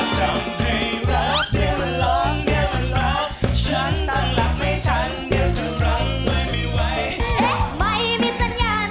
จากเลขหมายที่คุณได้ในขณะนี้